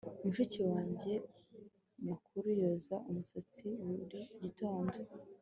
Mushiki wanjye mukuru yoza umusatsi buri gitondo